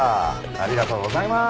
ありがとうございます。